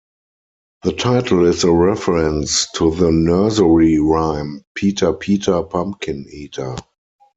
The title is a reference to the nursery rhyme "Peter Peter Pumpkin Eater".